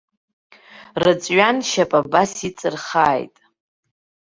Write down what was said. Рыҵәҩаншьап абас иҵырхааит!